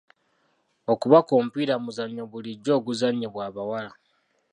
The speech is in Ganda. Okubaka omupiira muzannyo bulijjo oguzannyibwa abawala.